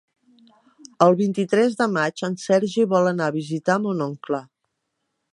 El vint-i-tres de maig en Sergi vol anar a visitar mon oncle.